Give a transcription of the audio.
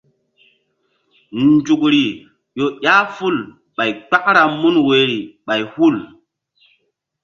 Nzukri ƴo ƴah ful ɓay kpakra mun woyri ɓay hul.